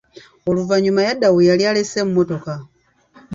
Oluvanyuma yadda we yali alesse emmotoka.